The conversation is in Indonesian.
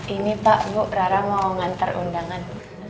ini pak bu rara mau nganter undangan